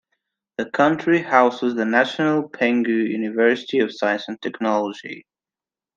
The county houses the National Penghu University of Science and Technology.